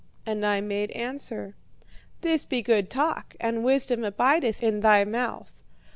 "And I made answer: 'This be good talk, and wisdom abideth in thy mouth.